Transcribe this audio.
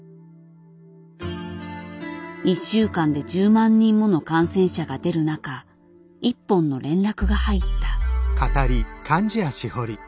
１週間で１０万人もの感染者が出る中一本の連絡が入った。